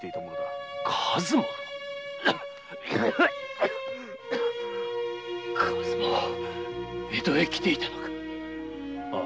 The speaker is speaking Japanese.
⁉数馬は江戸へ来ていたのか？